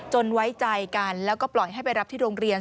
ไว้ใจกันแล้วก็ปล่อยให้ไปรับที่โรงเรียน